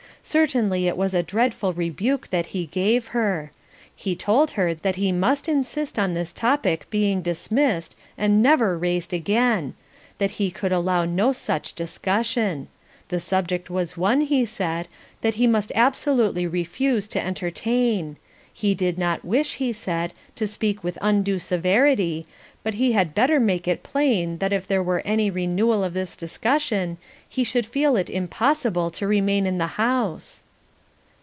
Certainly it was a dreadful rebuke that he gave her. He told her that he must insist on this topic being dismissed and never raised again: that he could allow no such discussion: the subject was one, he said, that he must absolutely refuse to entertain: he did not wish, he said, to speak with undue severity, but he had better make it plain that if there were any renewal of this discussion he should feel it impossible to remain in the house.